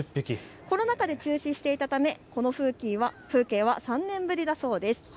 コロナ禍で中止していたためこの風景は３年ぶりだそうです。